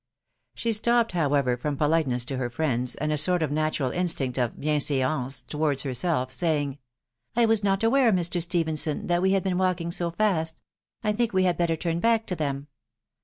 She stopped, however, from politeness to her friends, and a sort of natural instinct of bimsfanee towards herself saying, " I was not aware, Mr. Stephenson, that we had bees walking so fast ; I think we had better turn back to them."